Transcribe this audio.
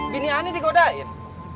bini ani dikodain